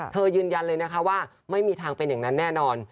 ยืนยันเลยนะคะว่าไม่มีทางเป็นอย่างนั้นแน่นอน